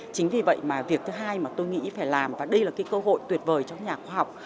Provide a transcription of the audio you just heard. chính vì vậy mà việc thứ hai mà tôi nghĩ phải làm và đây là cái cơ hội tuyệt vời cho nhà khoa học